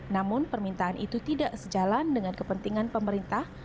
namun permintaan itu tidak sejalan dengan kepentingan pemerintah